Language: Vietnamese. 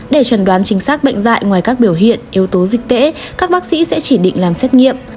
để chuẩn đoán chính xác bệnh dại ngoài các biểu hiện yếu tố dịch tễ các bác sĩ sẽ chỉ định làm xét nghiệm